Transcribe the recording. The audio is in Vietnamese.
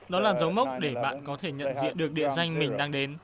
đó là dấu mốc để bạn có thể nhận diện được địa danh mình đang đến